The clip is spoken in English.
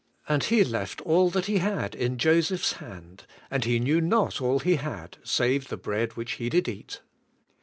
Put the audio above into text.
And he left all that he had in Joseph's hand; and he knew not all he had, save the bread which he did eat."